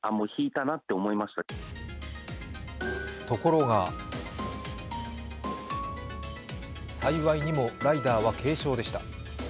ところが幸いにも、ライダーは軽傷でした。